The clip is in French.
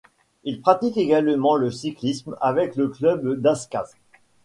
Il pratique également le cyclisme avec le club de l'Ascat.